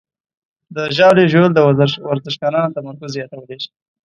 د ژاولې ژوول د ورزشکارانو تمرکز زیاتولی شي.